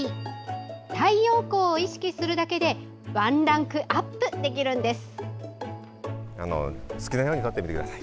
太陽光を意識するだけでワンランクアップできるんです。